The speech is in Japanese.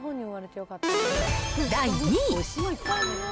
第２位。